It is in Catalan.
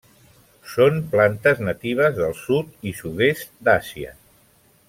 Són plantes natives del sud i sud-est d'Àsia.